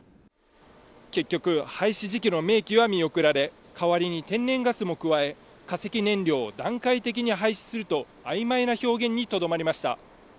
結局、廃止時期の明記は見送られ、代わりに天然ガスも加え、化石燃料を段階的に廃止すると曖昧な表現にとどまりました。